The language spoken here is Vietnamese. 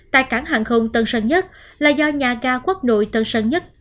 tại cảng hàng không tân sơn nhất là do nhà ga quốc nội tân sơn nhất